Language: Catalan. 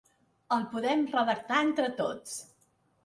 El podem redactar entre tots.